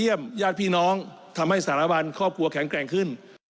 ญาติพี่น้องทำให้สารวัลครอบครัวแข็งแกร่งขึ้น